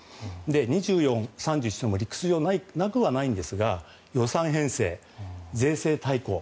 ２４、３１というのは理屈上ないと思うんですが予算編成、税制大綱